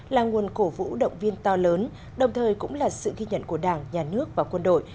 là nguồn cổ vũ động viên to lớn đồng thời cũng là sự ghi nhận của đảng nhà nước và quân đội